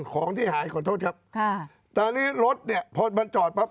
ของที่หายขอโทษครับค่ะตอนนี้รถเนี่ยพอมันจอดปั๊บ